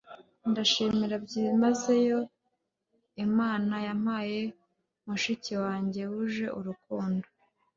ndashimira byimazeyo imana yampaye mushiki wanjye wuje urukundo